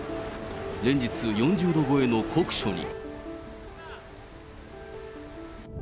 連日４０度超えの酷暑に。